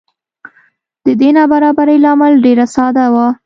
د دې نابرابرۍ لامل ډېره ساده و.